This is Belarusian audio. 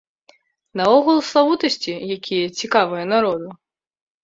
Наогул славутасці, якія цікавыя народу.